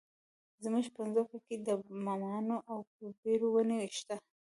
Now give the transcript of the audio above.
زموږ په ځمکه کې د مماڼو او بیرو ونې شته.